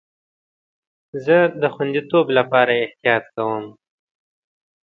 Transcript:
زه د خوندیتوب لپاره احتیاط کوم.